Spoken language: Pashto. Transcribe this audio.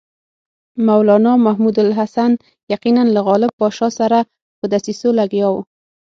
مولنا محمود الحسن یقیناً له غالب پاشا سره په دسیسو لګیا وو.